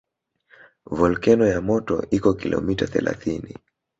Volkeno ya moto iko kilomita thelathini